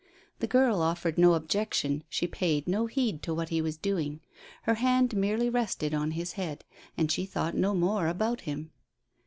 The girl offered no objection. She paid no heed to what he was doing. Her hand merely rested on his head, and she thought no more about him.